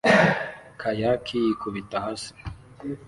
kayakier yikubita hasi